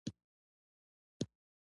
هغه ته یې د کتاب د بهترولو دنده ورکړه.